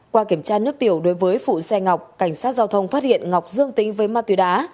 qua kiểm tra nước tiểu đối với phụ xe ngọc cảnh sát giao thông phát hiện ngọc dương tính với ma túy đá